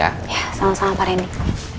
ya sama sama pak randy